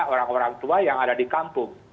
orang orang tua yang ada di kampung